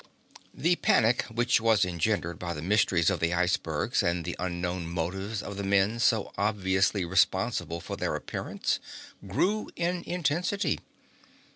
The panic which was engendered by the mysteries of the icebergs and the unknown motives of the men so obviously responsible for their appearance grew in intensity.